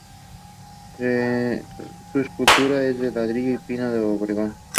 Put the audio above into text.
Su estructura es de ladrillo y pino oregón.